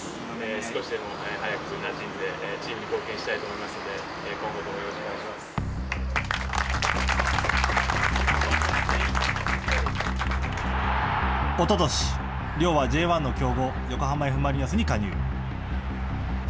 少しでも早くなじんで、チームに貢献したいと思いますので、おととし、亮はＪ１の強豪横浜Ｆ・マリノスに加入。